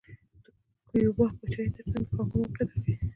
د کیوبا پاچاهۍ ترڅنګ د کانګو موقعیت راښيي.